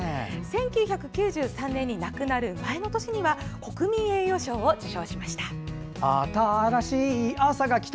１９９３年に亡くなる前の年には国民栄誉賞を受賞しました。